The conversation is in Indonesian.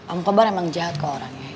om kobar emang jahat kok orangnya